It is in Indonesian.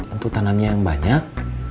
untuk tanamnya yang banyak